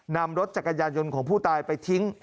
นำรถจักรยานยนต์ของผู้ตายไปทิ้ง